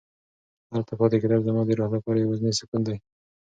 دلته پاتې کېدل زما د روح لپاره یوازینی سکون دی.